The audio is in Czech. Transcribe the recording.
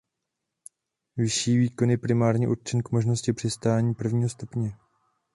Vyšší výkon je primárně určen k možnosti přistání prvního stupně.